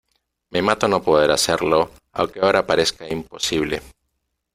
me mata no poder hacerlo . aunque ahora parezca imposible ,